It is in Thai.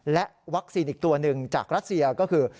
และวัคซีนอีกตัวหนึ่งจากรัสเซียก็คือ